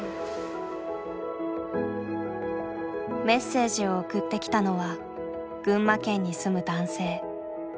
メッセージを送ってきたのは群馬県に住む男性。